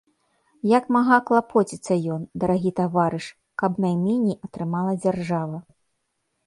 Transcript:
Як мага клапоціцца ён, дарагі таварыш, каб найменей атрымала дзяржава.